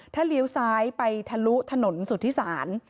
ถ้าเลี้ยวซ้ายไปทะลุถนนสุธิศาล